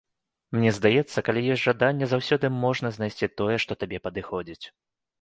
Мне здаецца, калі ёсць жаданне, заўсёды можна знайсці тое, што табе падыходзіць.